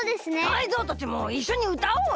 タイゾウたちもいっしょにうたおうよ。